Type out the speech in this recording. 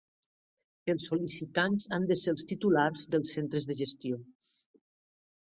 Els sol·licitants han de ser els titulars dels centres de gestió.